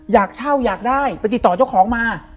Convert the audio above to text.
อยากเช่าอยากได้ไปติดต่อเจ้าของมา